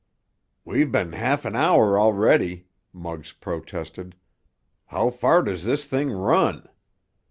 "We've been half an hour already!" Muggs protested. "How far does this thing run?"